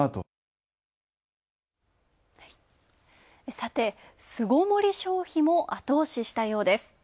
さて、巣ごもり消費も後押ししたようです。